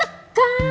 dia pasti tadi nangis